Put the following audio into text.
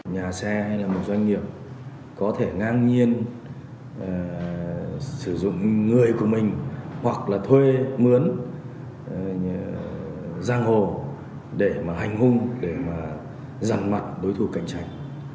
nhà xe hay là một doanh nghiệp có thể ngang nhiên sử dụng người của mình hoặc là thuê mướn giang hồ để mà hành hung để mà rằn mặt đối thủ cạnh tranh